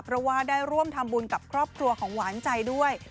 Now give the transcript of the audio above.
เพราะว่าได้ร่วมทำบุญกับครอบครัวของหวานใจด้วย